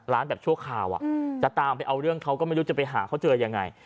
แบบชั่วคราวจะตามไปเอาเรื่องเขาก็ไม่รู้จะไปหาเขาเจอยังไง